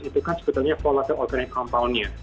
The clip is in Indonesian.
itu kan sebetulnya volatile organic compoundnya